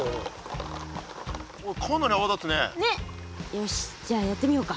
よしじゃあやってみようか。